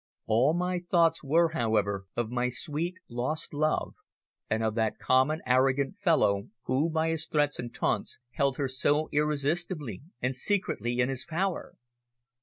All my thoughts were, however, of my sweet lost love, and of that common, arrogant fellow who, by his threats and taunts, held her so irresistibly and secretly in his power.